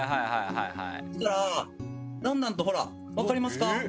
そしたらだんだんとほらわかりますか？